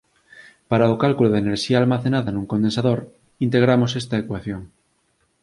Para o cálculo da enerxía almacenada nun condensador, integramos esta ecuación